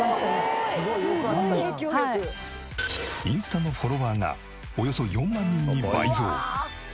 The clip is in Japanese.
インスタのフォロワーがおよそ４万人に倍増。